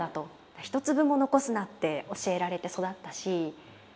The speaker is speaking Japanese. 一粒も残すなって教えられて育ったし。